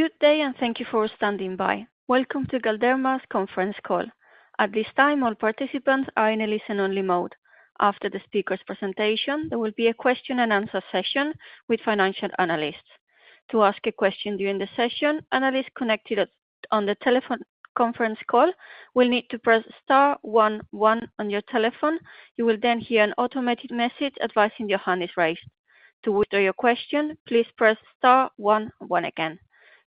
Good day, and thank you for standing by. Welcome to Galderma's conference call. At this time, all participants are in a listen-only mode. After the speaker's presentation, there will be a question-and-answer session with financial analysts. To ask a question during the session, analysts connected on the telephone conference call will need to press star one one on your telephone. You will then hear an automated message advising your hand is raised. To withdraw your question, please press star one one again.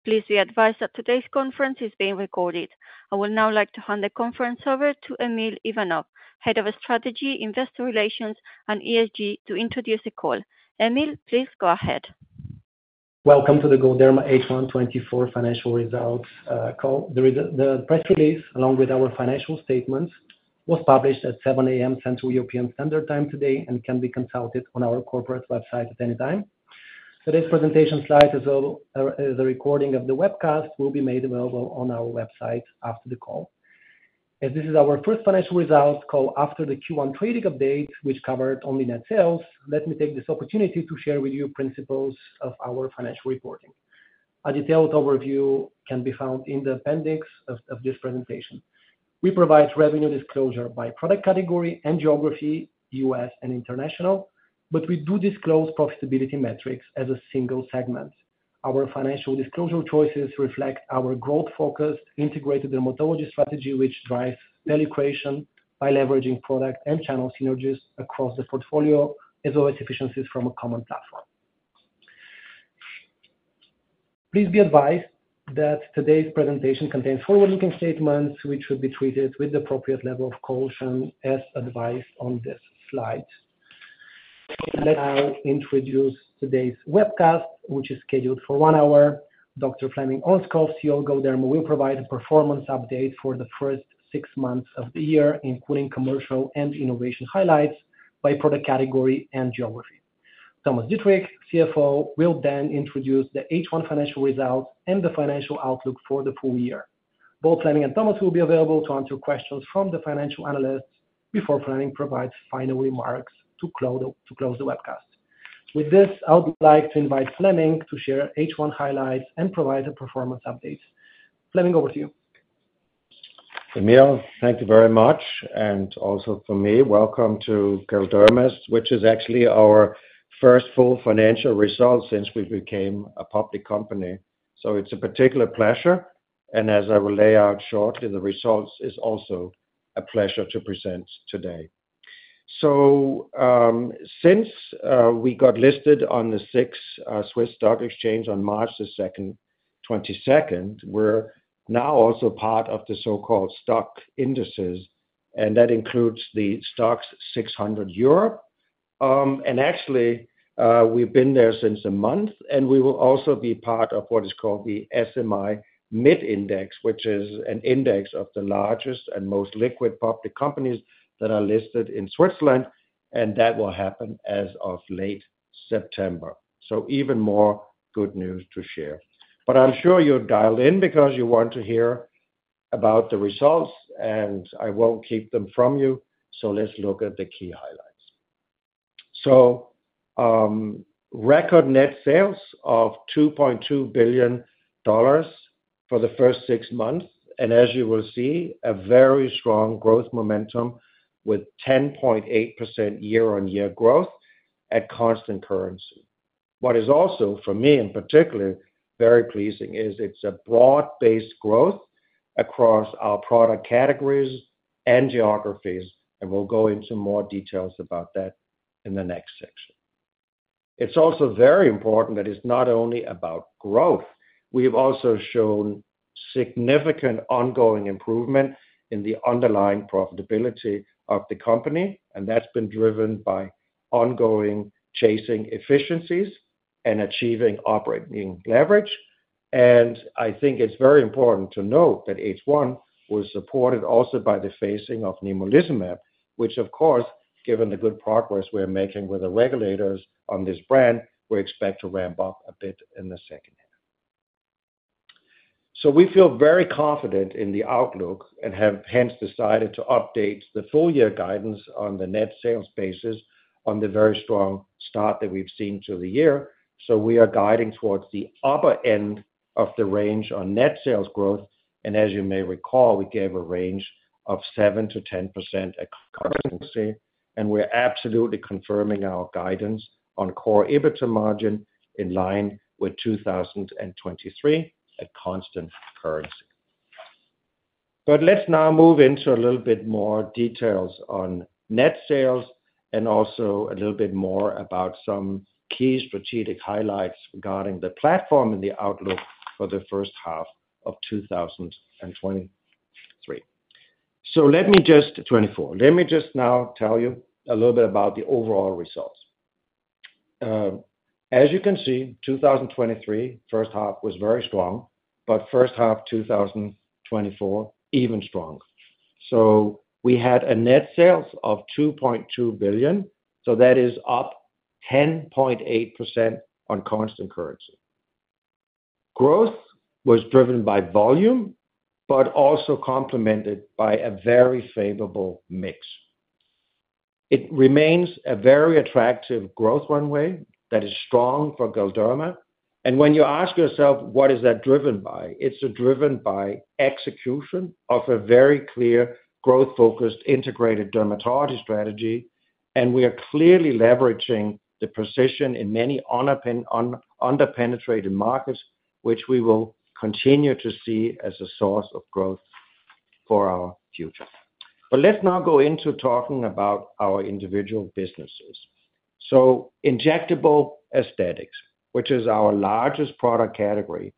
Please be advised that today's conference is being recorded. I would now like to hand the conference over to Emil Ivanov, Head of Strategy, Investor Relations, and ESG, to introduce the call. Emil, please go ahead. Welcome to the Galderma H1 2024 financial results call. The press release, along with our financial statements, was published at 7:00 A.M. Central European Standard Time today and can be consulted on our corporate website at any time. Today's presentation slides, as well as a recording of the webcast, will be made available on our website after the call. As this is our first financial results call after the Q1 trading update, which covered only net sales, let me take this opportunity to share with you principles of our financial reporting. A detailed overview can be found in the appendix of this presentation. We provide revenue disclosure by product category and geography, U.S. and international, but we do disclose profitability metrics as a single segment. Our financial disclosure choices reflect our growth-focused integrated dermatology strategy, which drives value creation by leveraging product and channel synergies across the portfolio, as well as efficiencies from a common platform. Please be advised that today's presentation contains forward-looking statements, which should be treated with the appropriate level of caution, as advised on this slide. Let me now introduce today's webcast, which is scheduled for one hour. Dr. Flemming Ørnskov, CEO of Galderma, will provide a performance update for the first six months of the year, including commercial and innovation highlights by product category and geography. Thomas Dittrich, CFO, will then introduce the H1 financial results and the financial outlook for the full year. Both Flemming and Thomas will be available to answer questions from the financial analysts before Flemming provides final remarks to close the webcast. With this, I would like to invite Flemming to share H1 highlights and provide a performance update. Flemming, over to you. Emil, thank you very much. And also for me, welcome to Galderma, which is actually our first full financial result since we became a public company. So it's a particular pleasure. And as I will lay out shortly, the results are also a pleasure to present today. So since we got listed on the SIX Swiss Stock Exchange on March 22nd, we're now also part of the so-called stock indices, and that includes the STOXX 600 Europe. And actually, we've been there since a month, and we will also be part of what is called the SMI Mid Index, which is an index of the largest and most liquid public companies that are listed in Switzerland. And that will happen as of late September. So even more good news to share. But I'm sure you'll dial in because you want to hear about the results, and I won't keep them from you. So let's look at the key highlights. So record net sales of $2.2 billion for the first six months. And as you will see, a very strong growth momentum with 10.8% year-on-year growth at constant currency. What is also for me in particular very pleasing is it's a broad-based growth across our product categories and geographies. And we'll go into more details about that in the next section. It's also very important that it's not only about growth. We have also shown significant ongoing improvement in the underlying profitability of the company, and that's been driven by ongoing chasing efficiencies and achieving operating leverage. I think it's very important to note that H1 was supported also by the phasing of Nemluvio, which, of course, given the good progress we're making with the regulators on this brand, we expect to ramp up a bit in the second year. We feel very confident in the outlook and have hence decided to update the full-year guidance on the net sales basis on the very strong start that we've seen through the year. We are guiding towards the upper end of the range on net sales growth. As you may recall, we gave a range of 7%-10% at constant currency. We're absolutely confirming our guidance on core EBITDA margin in line with 2023 at constant currency. But let's now move into a little bit more details on net sales and also a little bit more about some key strategic highlights regarding the platform and the outlook for the first half of 2023. So let me just, 2024, let me just now tell you a little bit about the overall results. As you can see, 2023 first half was very strong, but first half 2024 even stronger. So we had net sales of 2.2 billion. So that is up 10.8% on constant currency. Growth was driven by volume, but also complemented by a very favorable mix. It remains a very attractive growth runway that is strong for Galderma. When you ask yourself, what is that driven by? It's driven by execution of a very clear growth-focused integrated dermatology strategy. We are clearly leveraging the position in many under-penetrated markets, which we will continue to see as a source of growth for our future. Let's now go into talking about our individual businesses. Injectable aesthetics, which is our largest product category,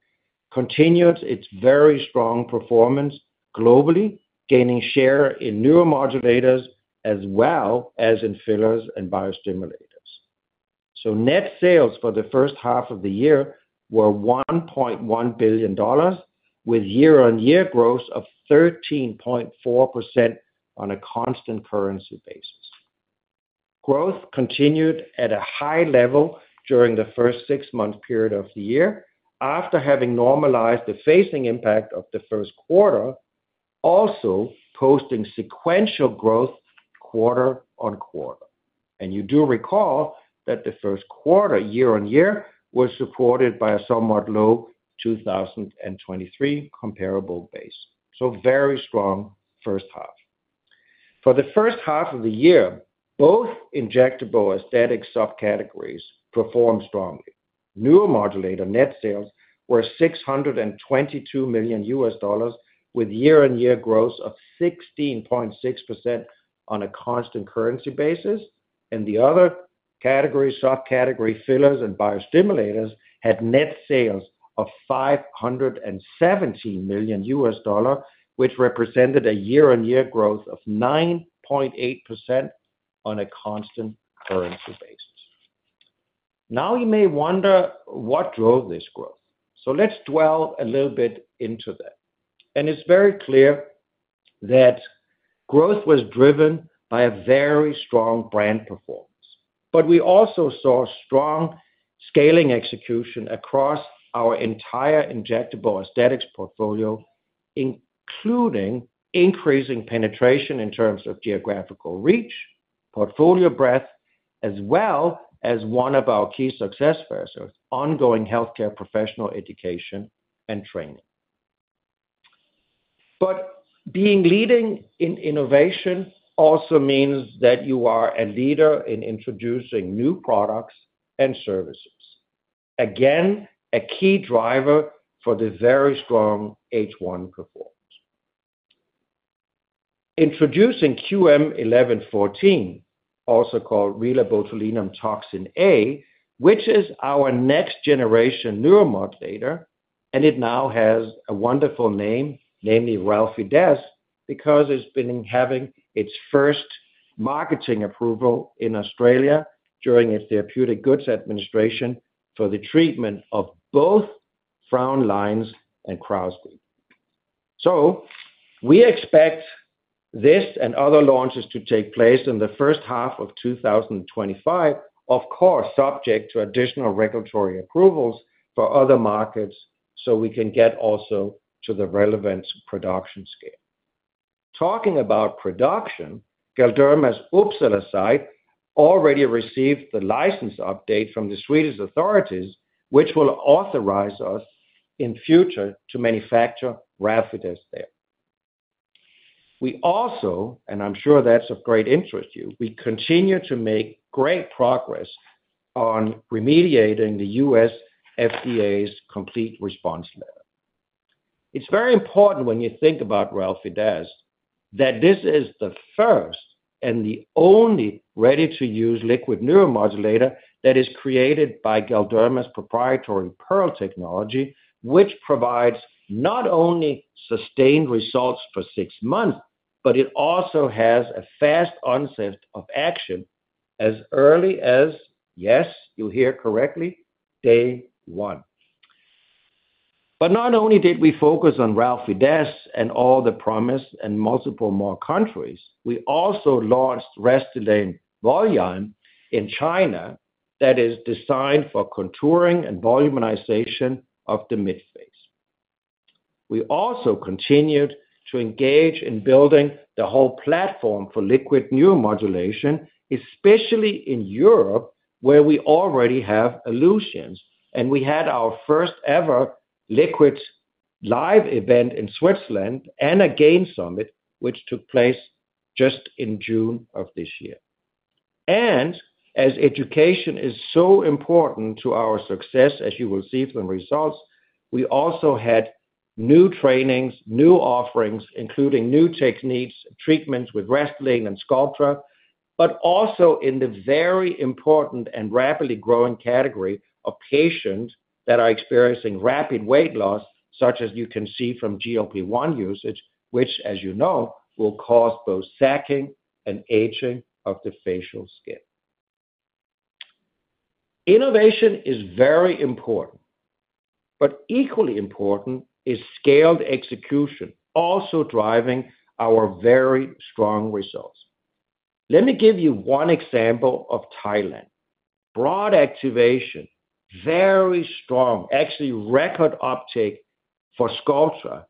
continued its very strong performance globally, gaining share in neuromodulators as well as in fillers and biostimulators. Net sales for the first half of the year were $1.1 billion, with year-on-year growth of 13.4% on a constant currency basis. Growth continued at a high level during the first six-month period of the year after having normalized the phasing impact of the first quarter, also posting sequential growth quarter-over-quarter. You do recall that the first quarter, year-on-year, was supported by a somewhat low 2023 comparable base. Very strong first half. For the first half of the year, both injectable aesthetic subcategories performed strongly. Neuromodulator net sales were $622 million, with year-on-year growth of 16.6% on a constant currency basis. The other category, subcategory, fillers and biostimulators had net sales of $517 million, which represented a year-on-year growth of 9.8% on a constant currency basis. Now you may wonder, what drove this growth? So let's dwell a little bit into that. It's very clear that growth was driven by a very strong brand performance. We also saw strong scaling execution across our entire injectable aesthetics portfolio, including increasing penetration in terms of geographical reach, portfolio breadth, as well as one of our key success factors, ongoing healthcare professional education and training. Being leading in innovation also means that you are a leader in introducing new products and services. Again, a key driver for the very strong H1 performance. Introducing QM1114, also called RelabotulinumtoxinA, which is our next-generation neuromodulator. It now has a wonderful name, namely Relfydess, because it's been having its first marketing approval in Australia from the Therapeutic Goods Administration for the treatment of both frown lines and crow's feet. We expect this and other launches to take place in the first half of 2025, of course, subject to additional regulatory approvals for other markets so we can get also to the relevant production scale. Talking about production, Galderma's Uppsala site already received the license update from the Swedish authorities, which will authorize us in future to manufacture Relfydess there. We also, and I'm sure that's of great interest to you, we continue to make great progress on remediating the U.S. FDA's complete response letter. It's very important when you think about Relfydess that this is the first and the only ready-to-use liquid neuromodulator that is created by Galderma's proprietary PEARL technology, which provides not only sustained results for six months, but it also has a fast onset of action as early as, yes, you hear correctly, day one. But not only did we focus on Relfydess and all the promise and multiple more countries, we also launched Restylane Volyme in China that is designed for contouring and volumization of the midface. We also continued to engage in building the whole platform for liquid neuromodulation, especially in Europe, where we already have Alluzience. And we had our first-ever liquid live event in Switzerland and a game summit, which took place just in June of this year. And as education is so important to our success, as you will see from results, we also had new trainings, new offerings, including new techniques, treatments with Restylane and Sculptra, but also in the very important and rapidly growing category of patients that are experiencing rapid weight loss, such as you can see from GLP-1 usage, which, as you know, will cause both sagging and aging of the facial skin. Innovation is very important, but equally important is scaled execution, also driving our very strong results. Let me give you one example of Thailand. Broad activation, very strong, actually record uptake for Sculptra,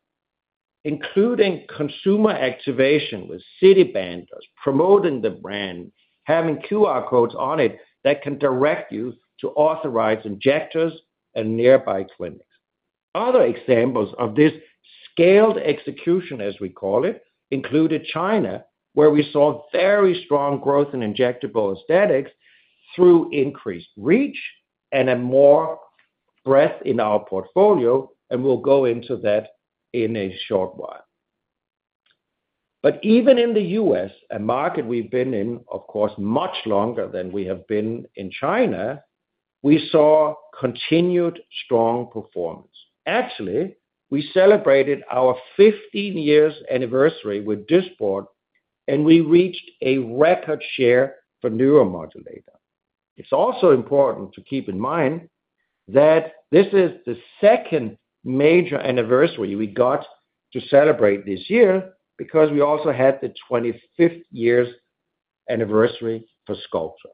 including consumer activation with city banners, promoting the brand, having QR codes on it that can direct you to authorized injectors and nearby clinics. Other examples of this scaled execution, as we call it, included China, where we saw very strong growth in injectable aesthetics through increased reach and a more breadth in our portfolio. And we'll go into that in a short while. But even in the U.S., a market we've been in, of course, much longer than we have been in China, we saw continued strong performance. Actually, we celebrated our 15-year anniversary with Dysport, and we reached a record share for neuromodulator. It's also important to keep in mind that this is the second major anniversary we got to celebrate this year because we also had the 25th-year anniversary for Sculptra.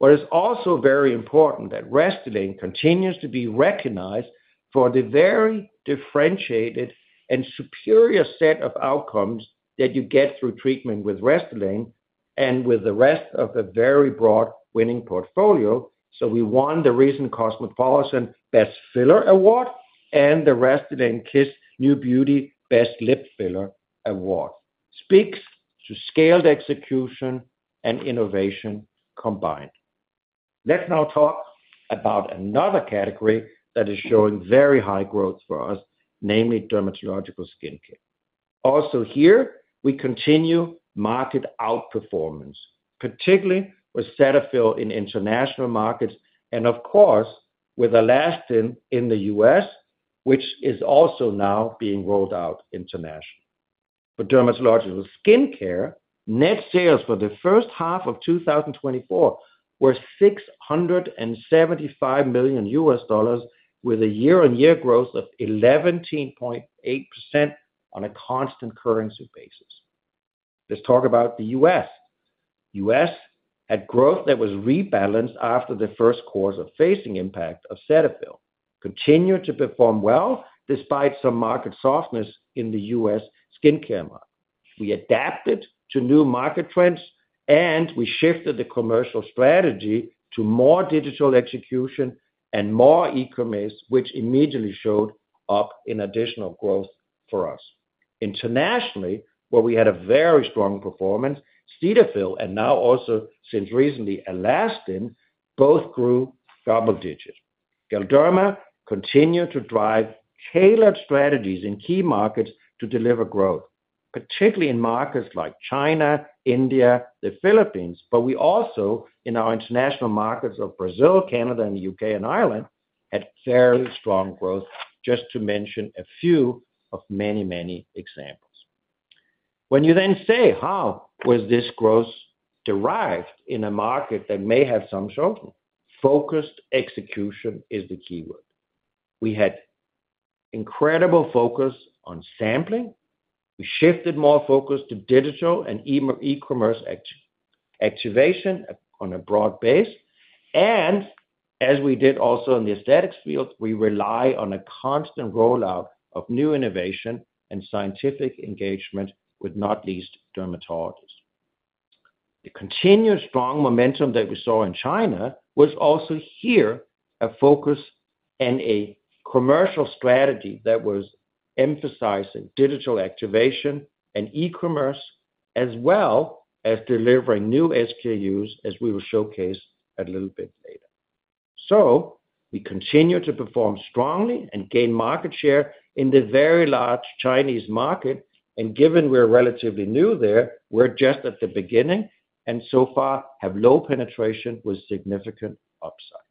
But it's also very important that Restylane continues to be recognized for the very differentiated and superior set of outcomes that you get through treatment with Restylane and with the rest of the very broad winning portfolio. So we won the recent Cosmopolitan Best Filler Award and the Restylane Kysse NewBeauty Best Lip Filler Award. Speaks to scaled execution and innovation combined. Let's now talk about another category that is showing very high growth for us, namely dermatological skincare. Also here, we continue market outperformance, particularly with Cetaphil in international markets and, of course, with Alastin in the U.S., which is also now being rolled out internationally. For dermatological skincare, net sales for the first half of 2024 were $675 million with a year-on-year growth of 11.8% on a constant currency basis. Let's talk about the U.S.. U.S. had growth that was rebalanced after the first course of phasing impact of Cetaphil. Continued to perform well despite some market softness in the U.S. skincare market. We adapted to new market trends, and we shifted the commercial strategy to more digital execution and more e-commerce, which immediately showed up in additional growth for us. Internationally, where we had a very strong performance, Cetaphil and now also since recently Alastin both grew double-digit. Galderma continued to drive tailored strategies in key markets to deliver growth, particularly in markets like China, India, the Philippines, but we also in our international markets of Brazil, Canada, and the U.K. and Ireland had fairly strong growth, just to mention a few of many, many examples. When you then say, how was this growth derived in a market that may have some shortened? Focused execution is the keyword. We had incredible focus on sampling. We shifted more focus to digital and e-commerce activation on a broad base. As we did also in the aesthetics field, we rely on a constant rollout of new innovation and scientific engagement with not least dermatologists. The continued strong momentum that we saw in China was also here a focus and a commercial strategy that was emphasizing digital activation and e-commerce, as well as delivering new SKUs, as we will showcase a little bit later. We continue to perform strongly and gain market share in the very large Chinese market. Given we're relatively new there, we're just at the beginning and so far have low penetration with significant upside.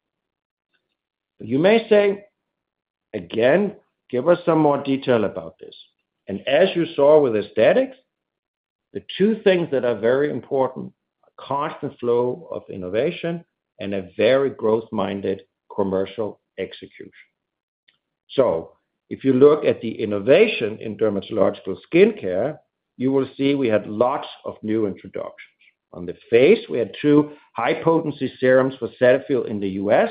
You may say, again, give us some more detail about this. As you saw with aesthetics, the two things that are very important are constant flow of innovation and a very growth-minded commercial execution. So if you look at the innovation in dermatological skincare, you will see we had lots of new introductions. On the face, we had two high-potency serums for Cetaphil in the U.S.,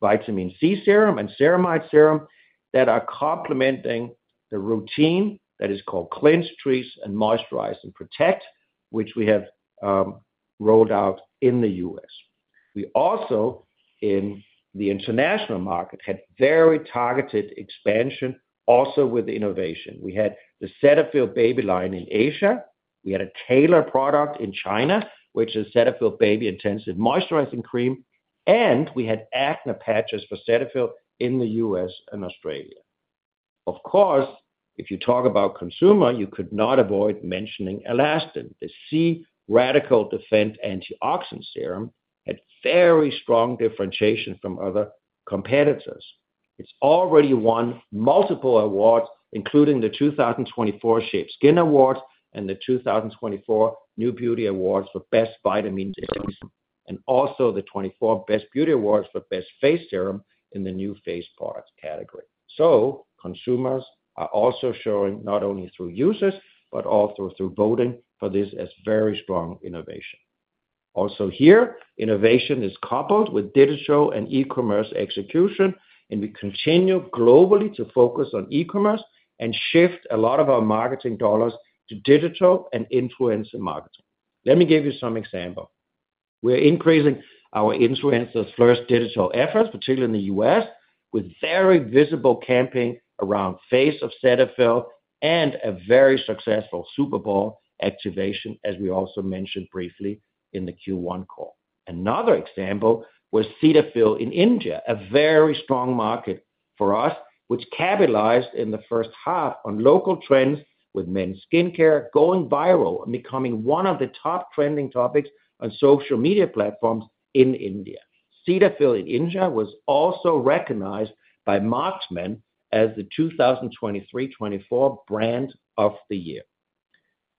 Vitamin C Serum and Ceramide Serum that are complementing the routine that is called Cleanse, Treat, Moisturize, and Protect, which we have rolled out in the U.S.. We also in the international market had very targeted expansion, also with the innovation. We had the Cetaphil baby line in Asia. We had a tailored product in China, which is Cetaphil Baby Intensive Moisturizing Cream. And we had acne patches for Cetaphil in the U.S. and Australia. Of course, if you talk about consumer, you could not avoid mentioning Alastin, the C-RADICAL Defense Antioxidant Serum, had very strong differentiation from other competitors. It's already won multiple awards, including the 2024 Shape Skin Awards and the 2024 New Beauty Awards for Best Vitamin Serum, and also the 2024 Best Beauty Awards for Best Face Serum in the new face product category. So consumers are also showing not only through users, but also through voting for this as very strong innovation. Also here, innovation is coupled with digital and e-commerce execution. And we continue globally to focus on e-commerce and shift a lot of our marketing dollars to digital and influencer marketing. Let me give you some examples. We're increasing our influencer-first digital efforts, particularly in the U.S., with very visible campaign around Face of Cetaphil and a very successful Super Bowl activation, as we also mentioned briefly in the Q1 call. Another example was Cetaphil in India, a very strong market for us, which capitalized in the first half on local trends with men's skincare going viral and becoming one of the top trending topics on social media platforms in India. Cetaphil in India was also recognized by Marksmen as the 2023-2024 Brand of the Year.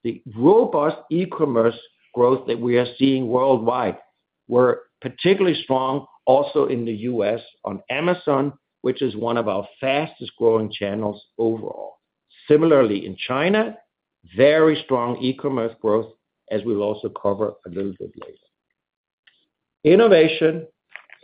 The robust e-commerce growth that we are seeing worldwide was particularly strong also in the U.S. on Amazon, which is one of our fastest growing channels overall. Similarly, in China, very strong e-commerce growth, as we'll also cover a little bit later. Innovation,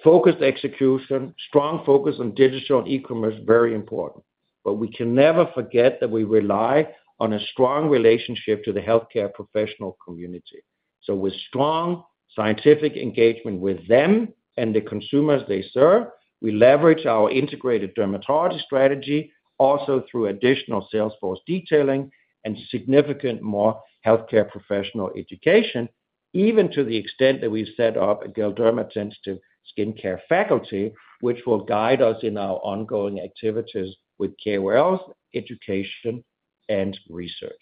focused execution, strong focus on digital and e-commerce, very important. But we can never forget that we rely on a strong relationship to the healthcare professional community. So with strong scientific engagement with them and the consumers they serve, we leverage our integrated dermatology strategy also through additional sales force detailing and significant more healthcare professional education, even to the extent that we've set up a Galderma Intensive Skincare Faculty, which will guide us in our ongoing activities with KOLs, education, and research.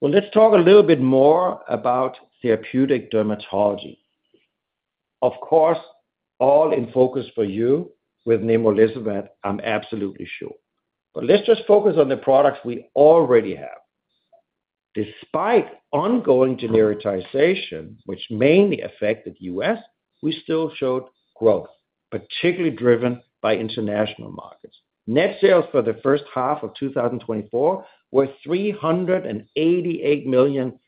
Well, let's talk a little bit more about therapeutic dermatology. Of course, all in focus for you with Nemluvio, I'm absolutely sure. But let's just focus on the products we already have. Despite ongoing genericization, which mainly affected the U.S., we still showed growth, particularly driven by international markets. Net sales for the first half of 2024 were $388 million,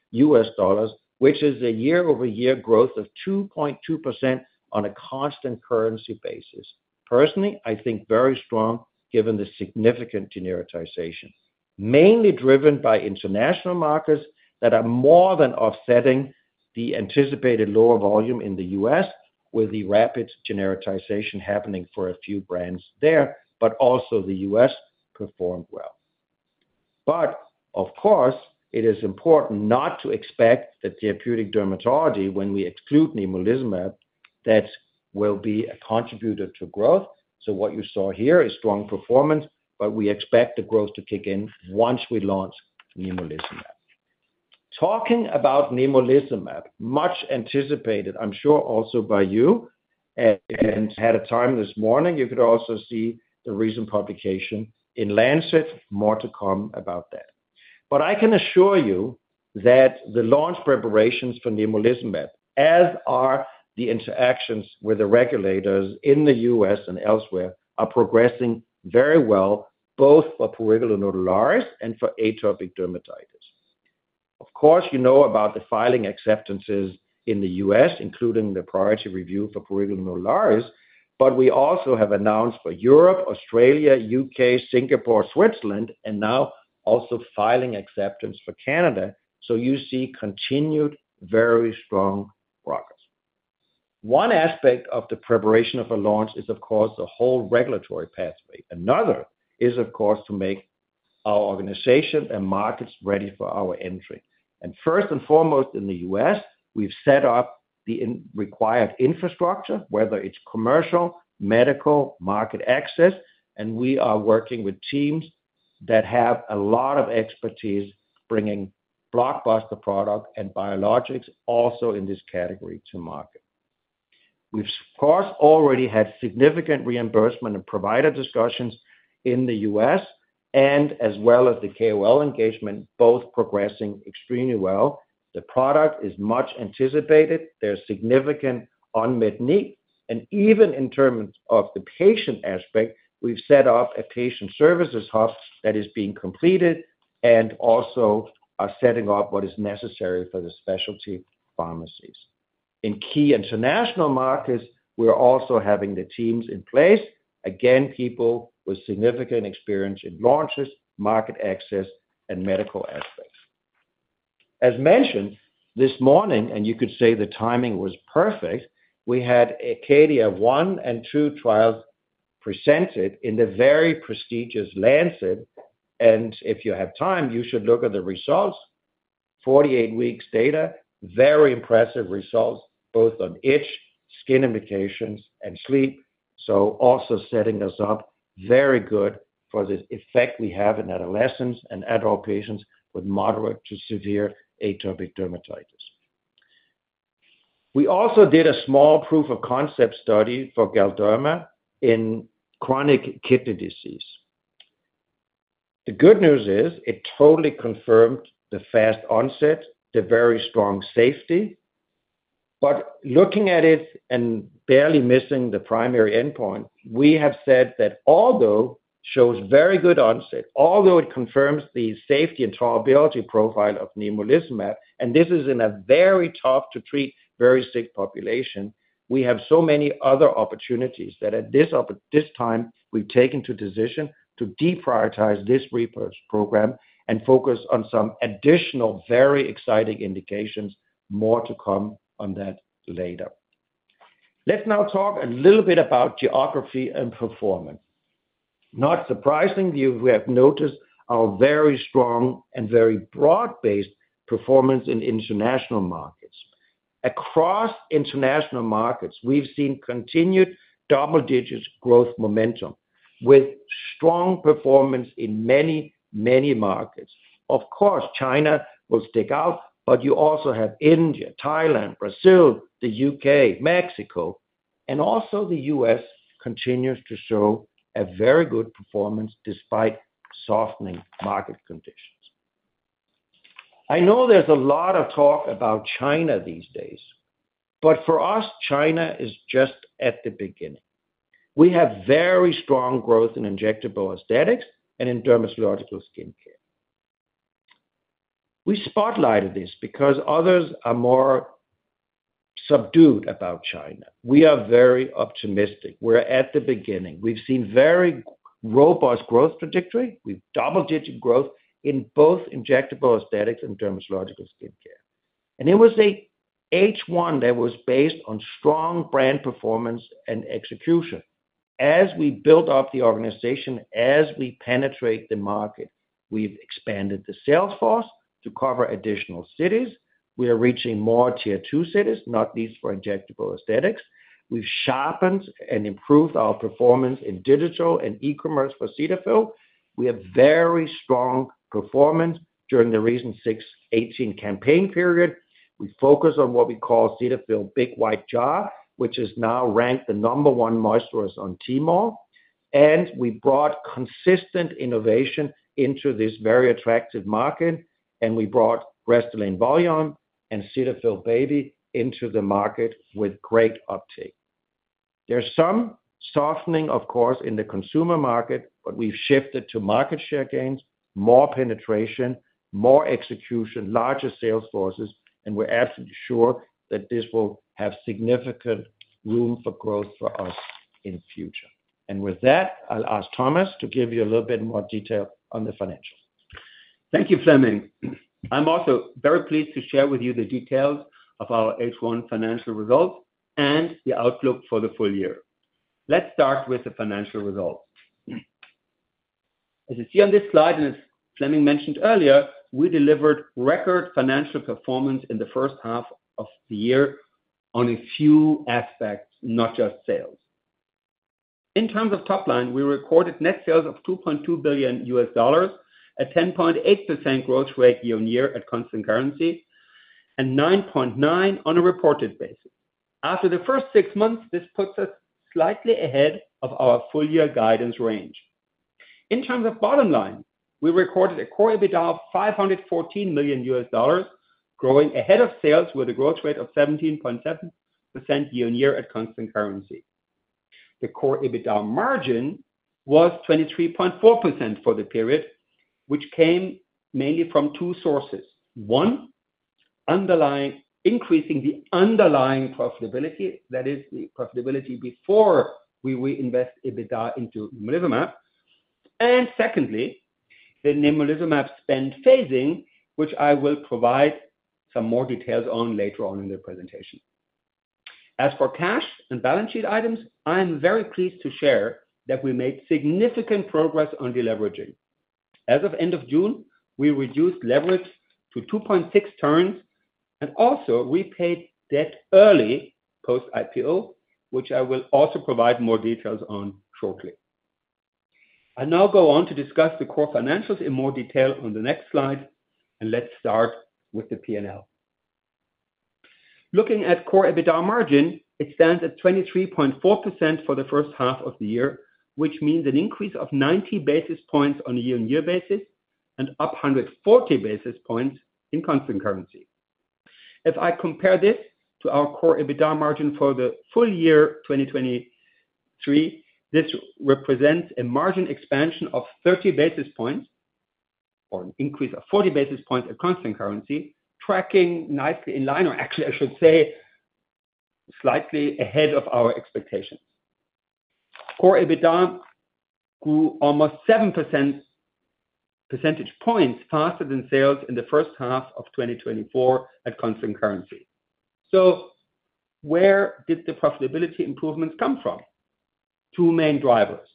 which is a year-over-year growth of 2.2% on a constant currency basis. Personally, I think very strong given the significant genericization, mainly driven by international markets that are more than offsetting the anticipated lower volume in the U.S. with the rapid genericization happening for a few brands there, but also the U.S. performed well. Of course, it is important not to expect that therapeutic dermatology, when we exclude Nemluvio, that will be a contributor to growth. So what you saw here is strong performance, but we expect the growth to kick in once we launch Nemluvio. Talking about Nemluvio, much anticipated, I'm sure also by you, and earlier this morning, you could also see the recent publication in Lancet, more to come about that. But I can assure you that the launch preparations for Nemluvio, as are the interactions with the regulators in the U.S. and elsewhere, are progressing very well, both for prurigo nodularis and for atopic dermatitis. Of course, you know about the filing acceptances in the U.S., including the priority review for prurigo nodularis, but we also have announced for Europe, Australia, U.K., Singapore, Switzerland, and now also filing acceptance for Canada. So you see continued very strong progress. One aspect of the preparation of a launch is, of course, the whole regulatory pathway. Another is, of course, to make our organization and markets ready for our entry. First and foremost, in the U.S., we've set up the required infrastructure, whether it's commercial, medical, market access, and we are working with teams that have a lot of expertise bringing blockbuster product and biologics also in this category to market. We've, of course, already had significant reimbursement and provider discussions in the U.S., and as well as the KOL engagement, both progressing extremely well. The product is much anticipated. There's significant unmet need. And even in terms of the patient aspect, we've set up a patient services hub that is being completed and also are setting up what is necessary for the specialty pharmacies. In key international markets, we're also having the teams in place. Again, people with significant experience in launches, market access, and medical aspects. As mentioned this morning, and you could say the timing was perfect, we had ARCADIA 1 and 2 trials presented in the very prestigious Lancet. And if you have time, you should look at the results. 48 weeks data, very impressive results, both on itch, skin indications, and sleep. So also setting us up very good for the effect we have in adolescents and adult patients with moderate to severe atopic dermatitis. We also did a small proof of concept study for Galderma in chronic kidney disease. The good news is it totally confirmed the fast onset, the very strong safety. But looking at it and barely missing the primary endpoint, we have said that although it shows very good onset, although it confirms the safety and tolerability profile of Nemluvio, and this is in a very tough-to-treat, very sick population, we have so many other opportunities that at this time, we've taken the decision to deprioritize this research program and focus on some additional very exciting indications, more to come on that later. Let's now talk a little bit about geography and performance. Not surprisingly, we have noticed our very strong and very broad-based performance in international markets. Across international markets, we've seen continued double-digit growth momentum with strong performance in many, many markets. Of course, China will stick out, but you also have India, Thailand, Brazil, the U.K., Mexico, and also the U.S. continues to show a very good performance despite softening market conditions. I know there's a lot of talk about China these days, but for us, China is just at the beginning. We have very strong growth in injectable aesthetics and in dermatological skincare. We spotlighted this because others are more subdued about China. We are very optimistic. We're at the beginning. We've seen very robust growth trajectory. We've double-digit growth in both injectable aesthetics and dermatological skincare. It was a H1 that was based on strong brand performance and execution. As we build up the organization, as we penetrate the market, we've expanded the sales force to cover additional cities. We are reaching more tier two cities, not least for injectable aesthetics. We've sharpened and improved our performance in digital and e-commerce for Cetaphil. We have very strong performance during the recent 618 campaign period. We focus on what we call Cetaphil Big White Jar, which is now ranked the No. 1 moisturizer on Tmall. And we brought consistent innovation into this very attractive market, and we brought Restylane Volyme and Cetaphil Baby into the market with great uptake. There's some softening, of course, in the consumer market, but we've shifted to market share gains, more penetration, more execution, larger sales forces, and we're absolutely sure that this will have significant room for growth for us in the future. With that, I'll ask Thomas to give you a little bit more detail on the financials. Thank you, Flemming. I'm also very pleased to share with you the details of our H1 financial results and the outlook for the full year. Let's start with the financial results. As you see on this slide, and as Flemming mentioned earlier, we delivered record financial performance in the first half of the year on a few aspects, not just sales. In terms of top line, we recorded net sales of $2.2 billion, a 10.8% growth rate year-over-year at constant currency, and 9.9% on a reported basis. After the first six months, this puts us slightly ahead of our full year guidance range. In terms of bottom line, we recorded a core EBITDA of $514 million, growing ahead of sales with a growth rate of 17.7% year-on-year at constant currency. The core EBITDA margin was 23.4% for the period, which came mainly from two sources. One, increasing the underlying profitability, that is, the profitability before we reinvest EBITDA into Nemluvio. And secondly, the Nemluvio spend phasing, which I will provide some more details on later on in the presentation. As for cash and balance sheet items, I'm very pleased to share that we made significant progress on deleveraging. As of end of June, we reduced leverage to 2.6 turns, and also we paid debt early post-IPO, which I will also provide more details on shortly. I'll now go on to discuss the core financials in more detail on the next slide, and let's start with the P&L. Looking at core EBITDA margin, it stands at 23.4% for the first half of the year, which means an increase of 90 basis points on a year-over-year basis and up 140 basis points in constant currency. If I compare this to our core EBITDA margin for the full year 2023, this represents a margin expansion of 30 basis points or an increase of 40 basis points at constant currency, tracking nicely in line, or actually, I should say, slightly ahead of our expectations. Core EBITDA grew almost 7% percentage points faster than sales in the first half of 2024 at constant currency. So where did the profitability improvements come from? Two main drivers.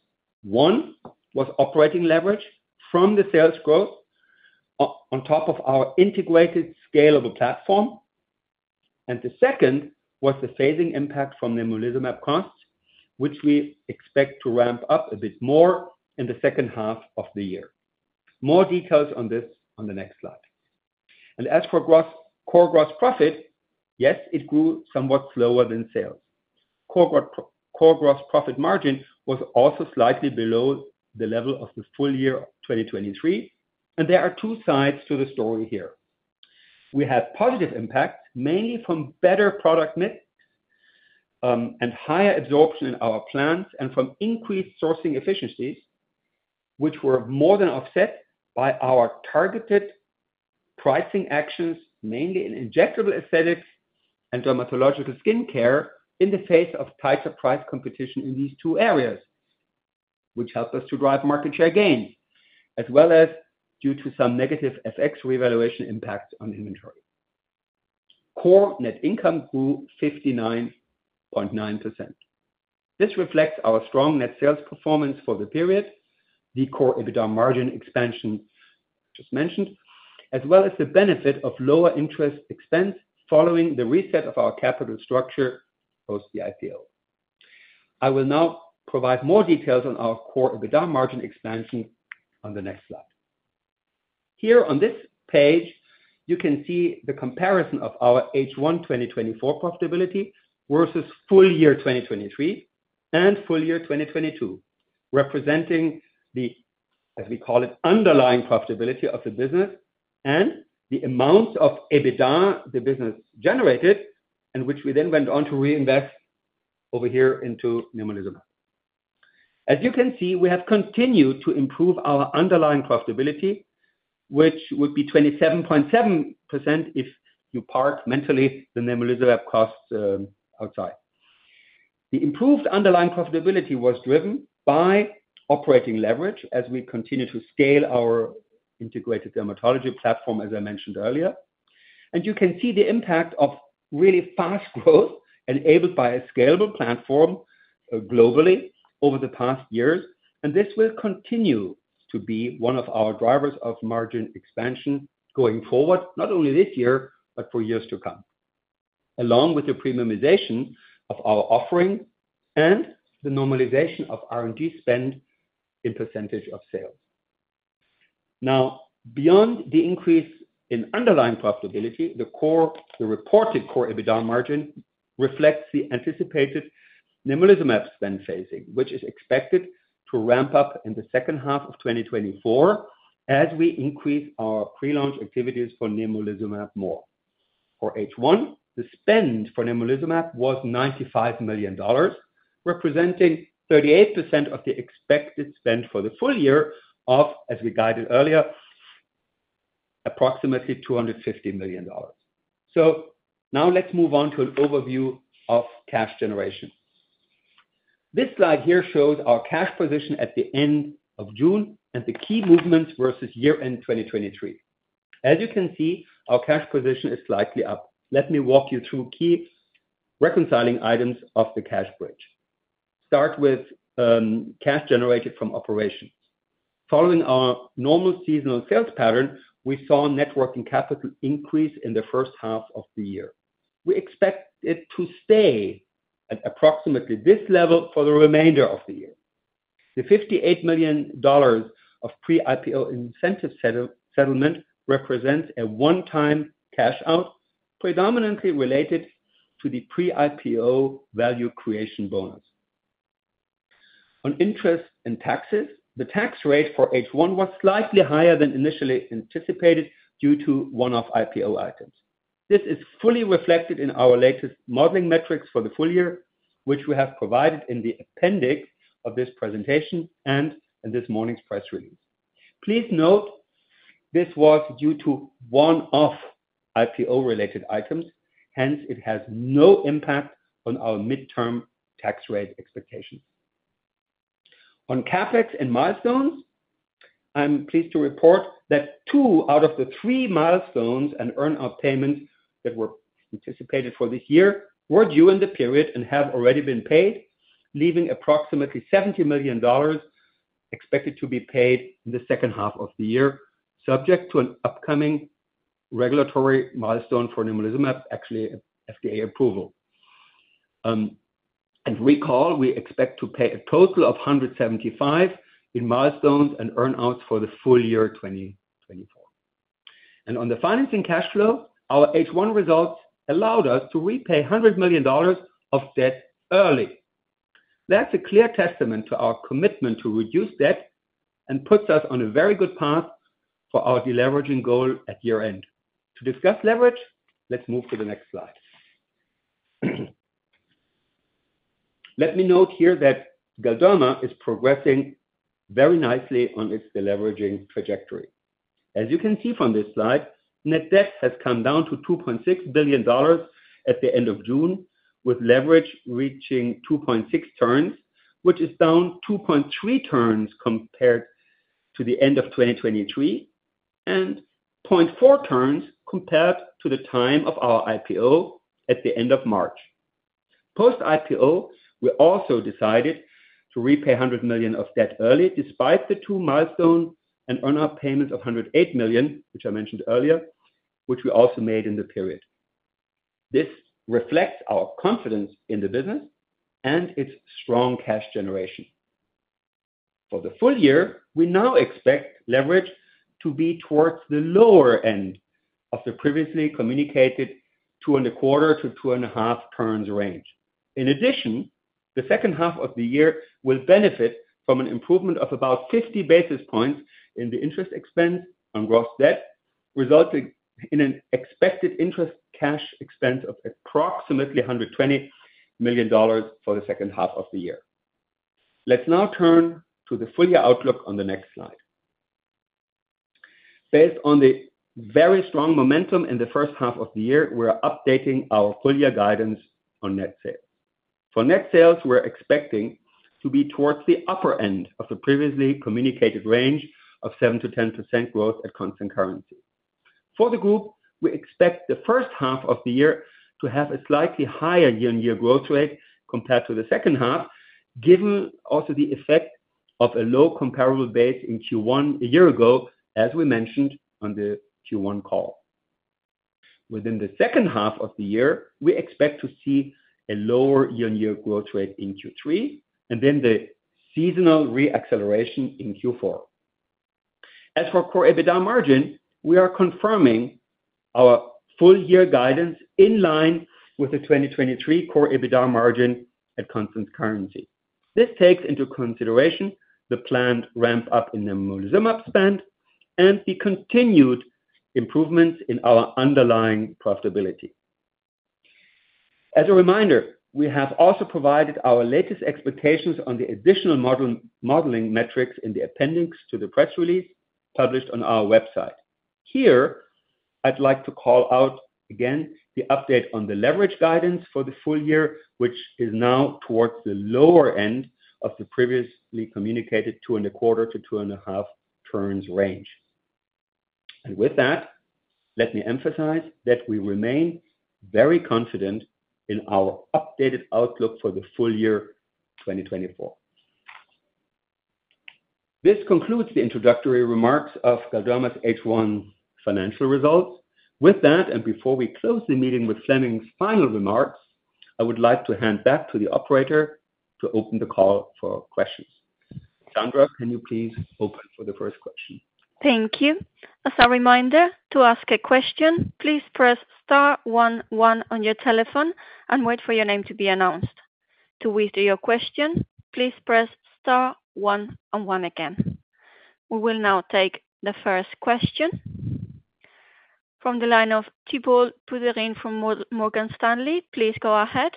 One was operating leverage from the sales growth on top of our integrated scalable platform. The second was the phasing impact from Nemluvio costs, which we expect to ramp up a bit more in the second half of the year. More details on this on the next slide. As for core gross profit, yes, it grew somewhat slower than sales. Core gross profit margin was also slightly below the level of the full year 2023. There are two sides to the story here. We have positive impacts, mainly from better product mix and higher absorption in our plants and from increased sourcing efficiencies, which were more than offset by our targeted pricing actions, mainly in injectable aesthetics and dermatological skincare in the face of tighter price competition in these two areas, which helped us to drive market share gains, as well as due to some negative FX revaluation impact on inventory. Core net income grew 59.9%. This reflects our strong net sales performance for the period, the core EBITDA margin expansion just mentioned, as well as the benefit of lower interest expense following the reset of our capital structure post the IPO. I will now provide more details on our core EBITDA margin expansion on the next slide. Here on this page, you can see the comparison of our H1 2024 profitability versus full year 2023 and full year 2022, representing the, as we call it, underlying profitability of the business and the amounts of EBITDA the business generated, and which we then went on to reinvest over here into Nemluvio. As you can see, we have continued to improve our underlying profitability, which would be 27.7% if you park mentally the Nemluvio costs outside. The improved underlying profitability was driven by operating leverage as we continue to scale our integrated dermatology platform, as I mentioned earlier. You can see the impact of really fast growth enabled by a scalable platform globally over the past years. This will continue to be one of our drivers of margin expansion going forward, not only this year, but for years to come, along with the premiumization of our offering and the normalization of R&D spend in percentage of sales. Now, beyond the increase in underlying profitability, the reported core EBITDA margin reflects the anticipated Nemluvio spend phasing, which is expected to ramp up in the second half of 2024 as we increase our pre-launch activities for Nemluvio more. For H1, the spend for Nemluvio was $95 million, representing 38% of the expected spend for the full year of, as we guided earlier, approximately $250 million. So now let's move on to an overview of cash generation. This slide here shows our cash position at the end of June and the key movements versus year-end 2023. As you can see, our cash position is slightly up. Let me walk you through key reconciling items of the cash bridge. Start with cash generated from operations. Following our normal seasonal sales pattern, we saw net working capital increase in the first half of the year. We expect it to stay at approximately this level for the remainder of the year. The $58 million of pre-IPO incentive settlement represents a one-time cash out predominantly related to the pre-IPO value creation bonus. On interest and taxes, the tax rate for H1 was slightly higher than initially anticipated due to one-off IPO items. This is fully reflected in our latest modeling metrics for the full year, which we have provided in the appendix of this presentation and in this morning's press release. Please note this was due to one-off IPO-related items. Hence, it has no impact on our midterm tax rate expectations. On CapEx and milestones, I'm pleased to report that two out of the three milestones and earn-out payments that were anticipated for this year were due in the period and have already been paid, leaving approximately $70 million expected to be paid in the second half of the year, subject to an upcoming regulatory milestone for Nemluvio, actually FDA approval. And recall, we expect to pay a total of $175 million in milestones and earn-outs for the full year 2024. On the financing cash flow, our H1 results allowed us to repay $100 million of debt early. That's a clear testament to our commitment to reduce debt and puts us on a very good path for our deleveraging goal at year-end. To discuss leverage, let's move to the next slide. Let me note here that Galderma is progressing very nicely on its deleveraging trajectory. As you can see from this slide, net debt has come down to $2.6 billion at the end of June, with leverage reaching 2.6 turns, which is down 2.3 turns compared to the end of 2023 and 0.4 turns compared to the time of our IPO at the end of March. Post-IPO, we also decided to repay $100 million of debt early, despite the two milestones and earn-out payments of $108 million, which I mentioned earlier, which we also made in the period. This reflects our confidence in the business and its strong cash generation. For the full year, we now expect leverage to be towards the lower end of the previously communicated 2.25-2.5 turns range. In addition, the second half of the year will benefit from an improvement of about 50 basis points in the interest expense on gross debt, resulting in an expected interest cash expense of approximately $120 million for the second half of the year. Let's now turn to the full year outlook on the next slide. Based on the very strong momentum in the first half of the year, we're updating our full year guidance on net sales. For net sales, we're expecting to be towards the upper end of the previously communicated range of 7%-10% growth at constant currency. For the group, we expect the first half of the year to have a slightly higher year-on-year growth rate compared to the second half, given also the effect of a low comparable base in Q1 a year ago, as we mentioned on the Q1 call. Within the second half of the year, we expect to see a lower year-on-year growth rate in Q3 and then the seasonal reacceleration in Q4. As for core EBITDA margin, we are confirming our full year guidance in line with the 2023 core EBITDA margin at constant currency. This takes into consideration the planned ramp-up in Nemluvio spend and the continued improvements in our underlying profitability. As a reminder, we have also provided our latest expectations on the additional modeling metrics in the appendix to the press release published on our website. Here, I'd like to call out again the update on the leverage guidance for the full year, which is now towards the lower end of the previously communicated 2.25-2.5 turns range. With that, let me emphasize that we remain very confident in our updated outlook for the full year 2024. This concludes the introductory remarks of Galderma's H1 financial results. With that, and before we close the meeting with Flemming's final remarks, I would like to hand back to the operator to open the call for questions. Sandra, can you please open for the first question? Thank you. As a reminder, to ask a question, please press star 11 on your telephone and wait for your name to be announced. To withdraw your question, please press star 11 again. We will now take the first question from the line of Thibault Boutherin from Morgan Stanley. Please go ahead.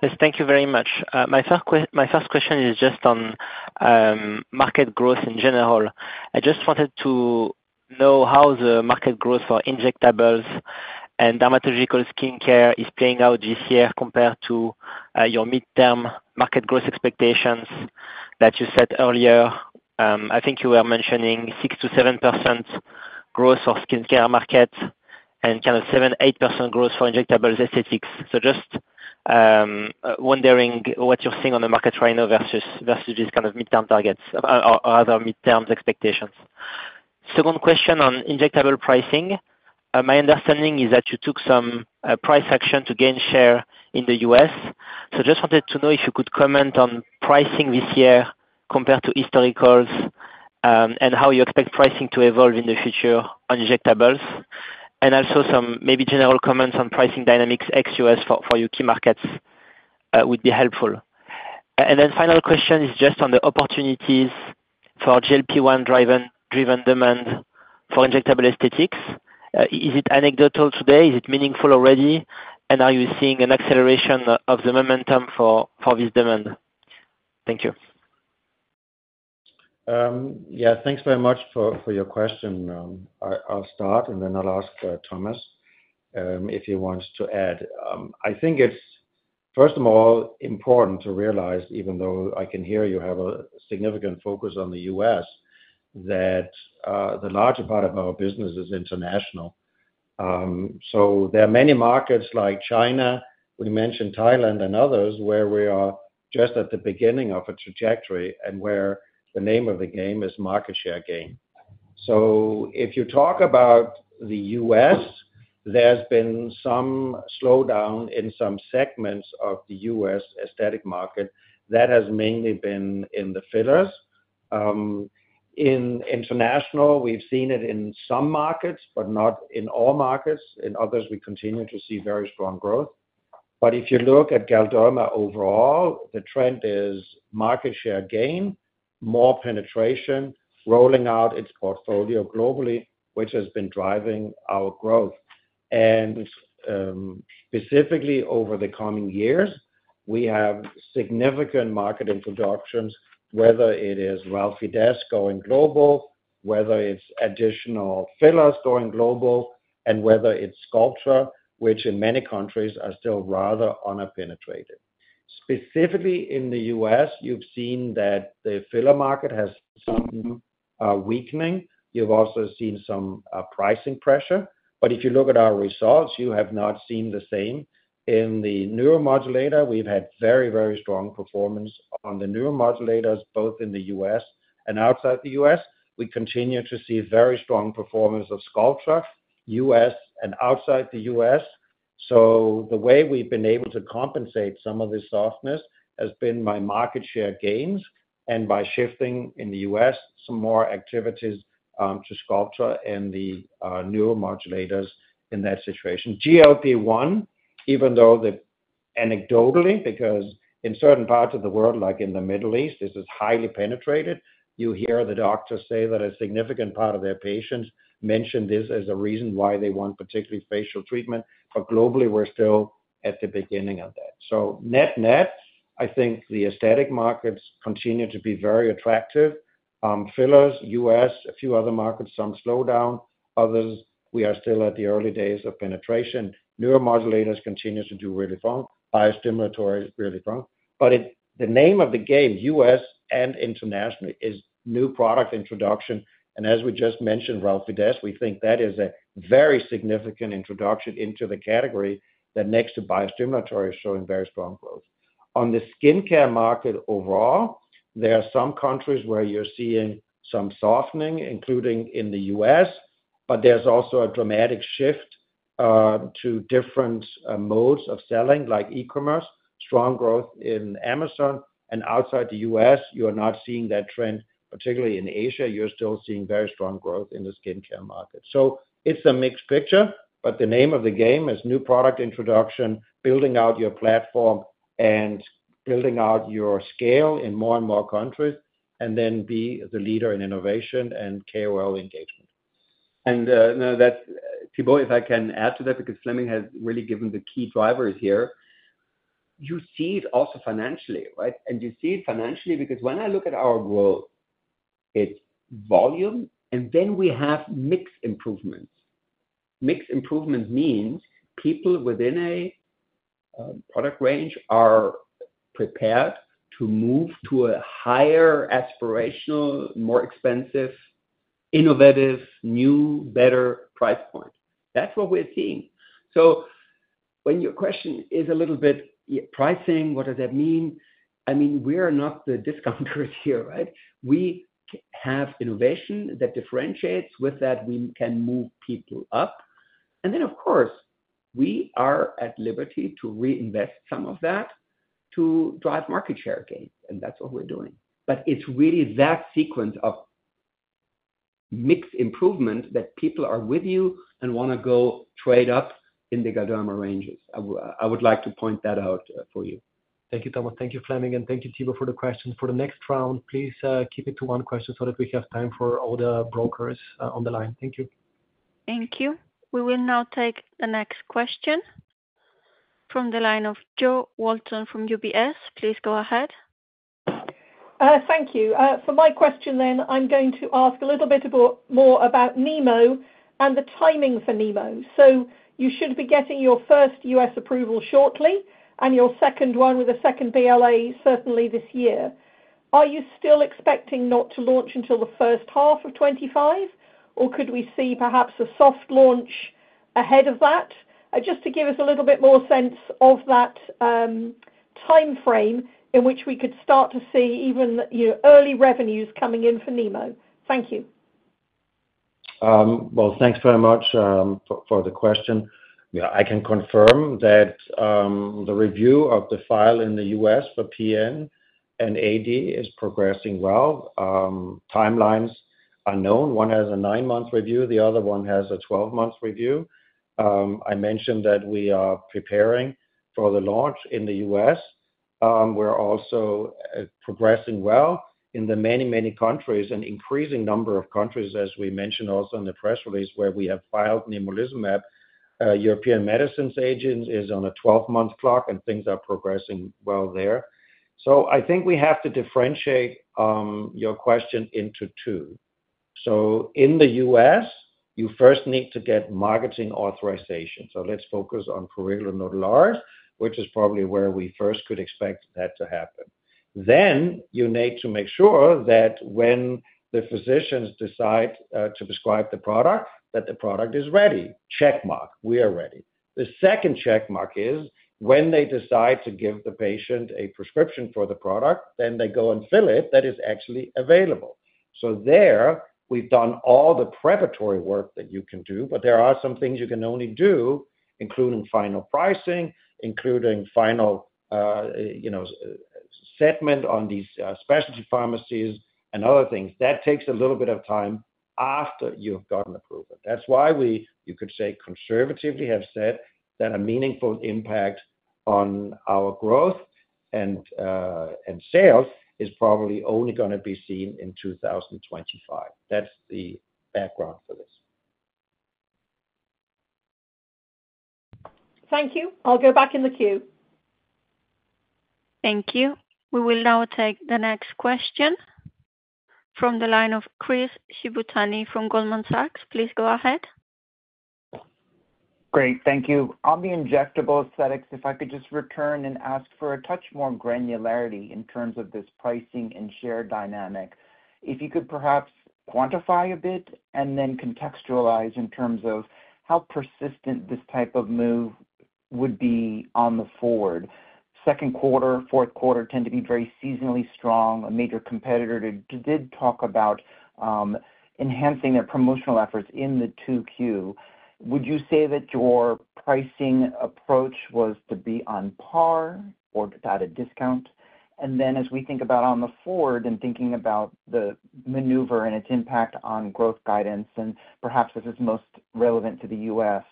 Yes, thank you very much. My first question is just on market growth in general. I just wanted to know how the market growth for injectables and dermatological skincare is playing out this year compared to your midterm market growth expectations that you said earlier. I think you were mentioning 6%-7% growth for skincare market and kind of 7%-8% growth for injectables aesthetics. So just wondering what you're seeing on the market right now versus these kind of midterm targets or other midterm expectations. Second question on injectable pricing. My understanding is that you took some price action to gain share in the U.S. So I just wanted to know if you could comment on pricing this year compared to historicals and how you expect pricing to evolve in the future on injectables. And also some maybe general comments on pricing dynamics ex-U.S. for your key markets would be helpful. And then final question is just on the opportunities for GLP-1 driven demand for injectable aesthetics. Is it anecdotal today? Is it meaningful already? And are you seeing an acceleration of the momentum for this demand? Thank you. Yeah, thanks very much for your question. I'll start, and then I'll ask Thomas if he wants to add. I think it's, first of all, important to realize, even though I can hear you have a significant focus on the U.S., that the larger part of our business is international. So there are many markets like China, we mentioned Thailand and others, where we are just at the beginning of a trajectory and where the name of the game is market share gain. So if you talk about the U.S., there's been some slowdown in some segments of the U.S. aesthetic market. That has mainly been in the fillers. In international, we've seen it in some markets, but not in all markets. In others, we continue to see very strong growth. But if you look at Galderma overall, the trend is market share gain, more penetration, rolling out its portfolio globally, which has been driving our growth. And specifically over the coming years, we have significant market introductions, whether it is Relfydess going global, whether it's additional fillers going global, and whether it's Sculptra, which in many countries are still rather unpenetrated. Specifically in the U.S., you've seen that the filler market has some weakening. You've also seen some pricing pressure. But if you look at our results, you have not seen the same. In the neuromodulator, we've had very, very strong performance on the neuromodulators, both in the U.S. and outside the U.S.. We continue to see very strong performance of Sculptra, U.S. and outside the U.S.. So the way we've been able to compensate some of this softness has been by market share gains and by shifting in the U.S. some more activities to Sculptra and the neuromodulators in that situation. GLP-1, even though anecdotally, because in certain parts of the world, like in the Middle East, this is highly penetrated, you hear the doctors say that a significant part of their patients mention this as a reason why they want particularly facial treatment. But globally, we're still at the beginning of that. So net-net, I think the aesthetic markets continue to be very attractive. Fillers, U.S., a few other markets, some slowdown, others, we are still at the early days of penetration. Neuromodulators continue to do really strong, biostimulators really strong. But the name of the game, U.S. and internationally, is new product introduction. And as we just mentioned, Relfydess, we think that is a very significant introduction into the category that next to biostimulators is showing very strong growth. On the skincare market overall, there are some countries where you're seeing some softening, including in the U.S., but there's also a dramatic shift to different modes of selling, like e-commerce, strong growth in Amazon. And outside the U.S., you're not seeing that trend. Particularly in Asia, you're still seeing very strong growth in the skincare market. So it's a mixed picture, but the name of the game is new product introduction, building out your platform and building out your scale in more and more countries, and then be the leader in innovation and KOL engagement. And Thibault, if I can add to that, because Flemming has really given the key drivers here, you see it also financially, right? And you see it financially because when I look at our growth, it's volume, and then we have mix improvements. Mix improvements means people within a product range are prepared to move to a higher aspirational, more expensive, innovative, new, better price point. That's what we're seeing. So when your question is a little bit pricing, what does that mean? I mean, we are not the discounters here, right? We have innovation that differentiates with that we can move people up. And then, of course, we are at liberty to reinvest some of that to drive market share gain. That's what we're doing. It's really that sequence of mixed improvement that people are with you and want to go trade up in the Galderma ranges. I would like to point that out for you. Thank you, Thomas. Thank you, Flemming, and thank you, Thibault, for the question. For the next round, please keep it to one question so that we have time for all the brokers on the line. Thank you. Thank you. We will now take the next question from the line of Jo Walton from UBS. Please go ahead. Thank you. For my question then, I'm going to ask a little bit more about Nemluvio and the timing for Nemluvio. So you should be getting your first U.S. approval shortly and your second one with a second BLA certainly this year. Are you still expecting not to launch until the first half of 2025, or could we see perhaps a soft launch ahead of that? Just to give us a little bit more sense of that timeframe in which we could start to see even early revenues coming in for Nemluvio. Thank you. Well, thanks very much for the question. I can confirm that the review of the file in the U.S. for PN and AD is progressing well. Timelines are known. One has a 9-month review. The other one has a 12-month review. I mentioned that we are preparing for the launch in the U.S. We're also progressing well in the many, many countries and increasing number of countries, as we mentioned also in the press release where we have filed Nemluvio. European Medicines Agency is on a 12-month clock, and things are progressing well there. So I think we have to differentiate your question into two. So in the U.S., you first need to get marketing authorization. So let's focus on Prurigo Nodularis, which is probably where we first could expect that to happen. Then you need to make sure that when the physicians decide to prescribe the product, that the product is ready. Checkmark. We are ready. The second checkmark is when they decide to give the patient a prescription for the product, then they go and fill it, that is actually available. So there, we've done all the preparatory work that you can do, but there are some things you can only do, including final pricing, including final segment on these specialty pharmacies and other things. That takes a little bit of time after you've gotten approval. That's why we, you could say conservatively, have said that a meaningful impact on our growth and sales is probably only going to be seen in 2025. That's the background for this. Thank you. I'll go back in the queue. Thank you. We will now take the next question from the line of Chris Shibutani from Goldman Sachs. Please go ahead. Great. Thank you. On the injectable aesthetics, if I could just return and ask for a touch more granularity in terms of this pricing and share dynamic. If you could perhaps quantify a bit and then contextualize in terms of how persistent this type of move would be on the forward? Second quarter, fourth quarter tend to be very seasonally strong. A major competitor did talk about enhancing their promotional efforts in the 2Q. Would you say that your pricing approach was to be on par or at a discount? And then as we think about on the forward and thinking about the maneuver and its impact on growth guidance, and perhaps this is most relevant to the U.S.,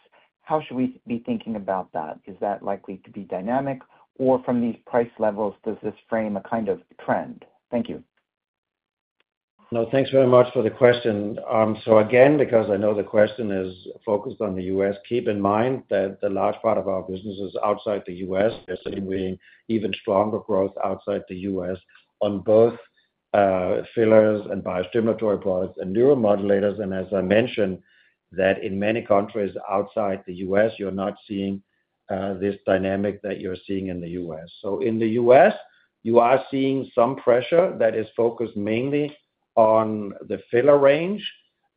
how should we be thinking about that? Is that likely to be dynamic? Or from these price levels, does this frame a kind of trend? Thank you. No, thanks very much for the question. So again, because I know the question is focused on the U.S., keep in mind that a large part of our business is outside the U.S.. We're seeing even stronger growth outside the U.S. on both fillers and biostimulatory products and neuromodulators. And as I mentioned, that in many countries outside the U.S., you're not seeing this dynamic that you're seeing in the U.S.. So in the U.S., you are seeing some pressure that is focused mainly on the filler range.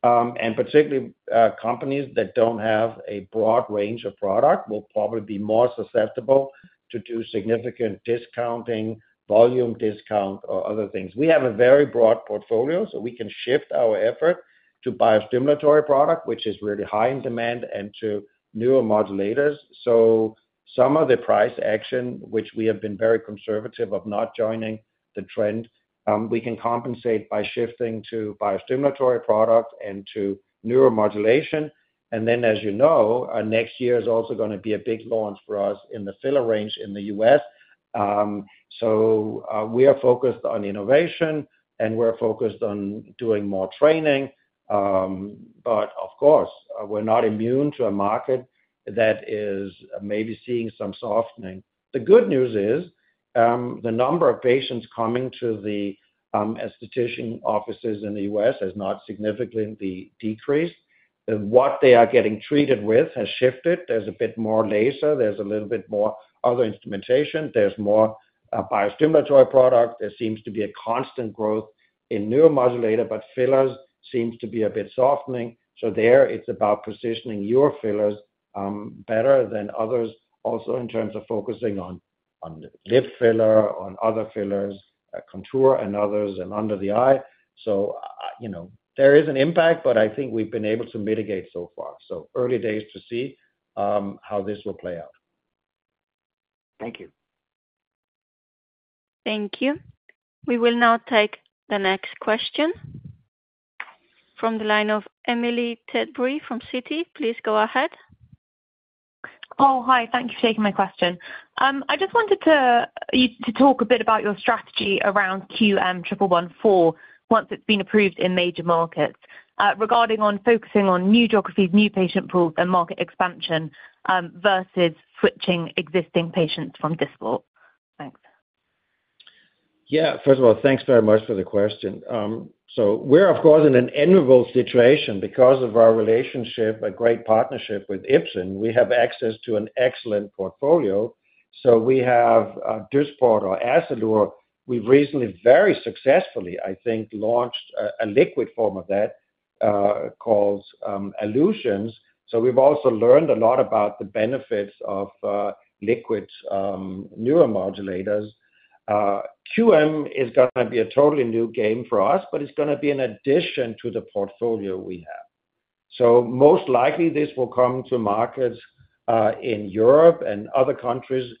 And particularly companies that don't have a broad range of product will probably be more susceptible to do significant discounting, volume discount, or other things. We have a very broad portfolio, so we can shift our effort to biostimulatory product, which is really high in demand, and to neuromodulators. So some of the price action, which we have been very conservative of not joining the trend, we can compensate by shifting to biostimulatory product and to neuromodulation. And then, as you know, next year is also going to be a big launch for us in the filler range in the U.S. So we are focused on innovation, and we're focused on doing more training. But of course, we're not immune to a market that is maybe seeing some softening. The good news is the number of patients coming to the aesthetician offices in the U.S. has not significantly decreased. What they are getting treated with has shifted. There's a bit more laser. There's a little bit more other instrumentation. There's more biostimulatory product. There seems to be a constant growth in neuromodulator, but fillers seem to be a bit softening. So, there, it's about positioning your fillers better than others, also in terms of focusing on lip filler, on other fillers, contour and others, and under the eye. So there is an impact, but I think we've been able to mitigate so far. So early days to see how this will play out. Thank you. Thank you. We will now take the next question from the line of Emily Tidbury from Citi. Please go ahead. Oh, hi. Thank you for taking my question. I just wanted to talk a bit about your strategy around QM1114 once it's been approved in major markets regarding focusing on new geographies, new patient pools, and market expansion versus switching existing patients from this brand. Thanks. Yeah. First of all, thanks very much for the question. So we're, of course, in an enviable situation because of our relationship, a great partnership with Ipsen. We have access to an excellent portfolio. So we have Dysport or Azzalure, we've recently very successfully, I think, launched a liquid form of that called Alluzience. So we've also learned a lot about the benefits of liquid neuromodulators. QM is going to be a totally new game for us, but it's going to be in addition to the portfolio we have. So most likely, this will come to markets in Europe and other countries